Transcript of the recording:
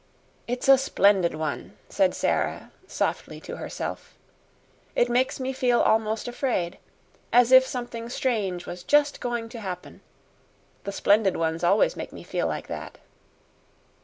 "It's a Splendid one," said Sara, softly, to herself. "It makes me feel almost afraid as if something strange was just going to happen. The Splendid ones always make me feel like that."